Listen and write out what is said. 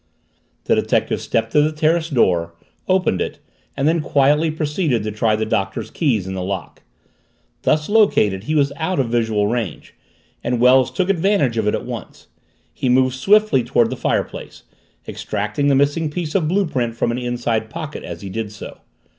The detective stepped to the terrace door, opened it, and then quietly proceeded to try the Doctor's keys in the lock. Thus located he was out of visual range, and Wells took advantage of it at once. He moved swiftly toward the fireplace, extracting the missing piece of blue print from an inside pocket as he did so.